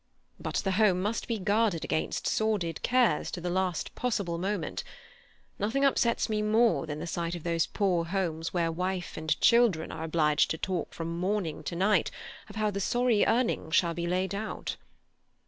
But the home must be guarded against sordid cares to the last possible moment; nothing upsets me more than the sight of those poor homes where wife and children are obliged to talk from morning to night of how the sorry earnings shall be laid out.